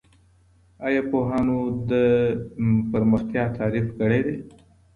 ایا پوهانو د پرمختیا تعریف کړی دی؟